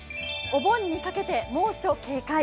お盆にかけて猛暑警戒。